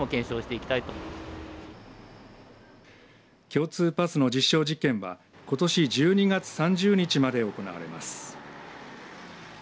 共通パスの実証実験はことし１２月３０日まで行われます。